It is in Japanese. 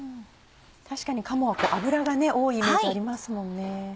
確かに鴨は脂が多いイメージありますもんね。